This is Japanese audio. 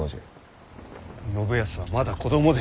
信康はまだ子供で。